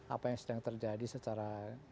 apa yang sedang terjadi secara